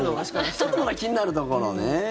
ちょっとまだ気になるところね。